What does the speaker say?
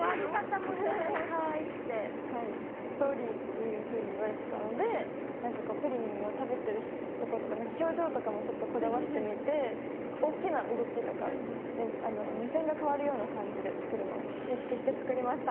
ストーリーっていうふうに言われてたのでぷりんを食べてるとことかの表情とかもちょっとこだわってみて大きな動きとか目線が変わるような感じで作るのを意識して作りました。